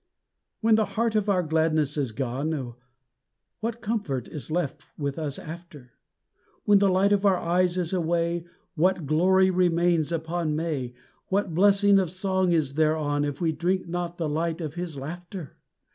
When the heart of our gladness is gone, What comfort is left with us after? When the light of our eyes is away, What glory remains upon May, What blessing of song is thereon If we drink not the light of his laughter?